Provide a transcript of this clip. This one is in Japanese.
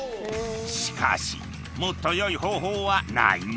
しかしもっと良い方法はないものか？